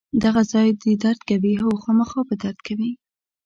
دغه ځای دې درد کوي؟ هو، خامخا به درد کوي.